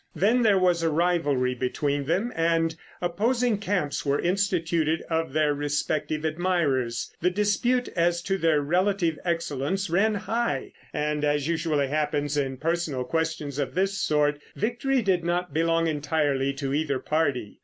Then there was a rivalry between them, and opposing camps were instituted of their respective admirers. The dispute as to their relative excellence ran high, and, as usually happens in personal questions of this sort, victory did not belong entirely to either party.